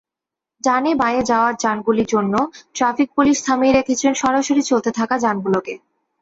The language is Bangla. ডানে-বাঁয়ে যাওয়ার যানগুলোর জন্য ট্রাফিক পুলিশ থামিয়ে রেখেছেন সরাসরি চলতে থাকা যানগুলোকে।